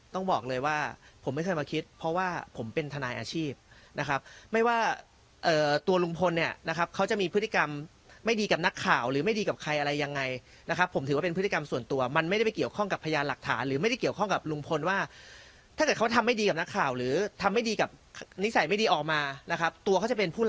ต้องบอกเลยว่าผมไม่เคยมาคิดเพราะว่าผมเป็นทนายอาชีพนะครับไม่ว่าตัวลุงพลเนี่ยนะครับเขาจะมีพฤติกรรมไม่ดีกับนักข่าวหรือไม่ดีกับใครอะไรยังไงนะครับผมถือว่าเป็นพฤติกรรมส่วนตัวมันไม่ได้ไปเกี่ยวข้องกับพยานหลักฐานหรือไม่ได้เกี่ยวข้องกับลุงพลว่าถ้าเกิดเขาทำไม่ดีกับนักข่าวหรือทำไม่ดีกับนิสัยไม่ดีออกมานะครับตัวเขาจะเป็นผู้